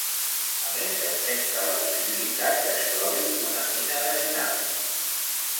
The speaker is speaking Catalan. A més, esmenta la possibilitat que es trobe una mina de cinabri.